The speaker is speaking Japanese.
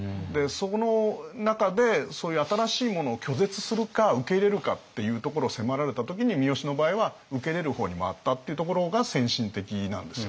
その中でそういう新しいものを拒絶するか受け入れるかっていうところを迫られた時に三好の場合は受け入れる方に回ったっていうところが先進的なんですよね。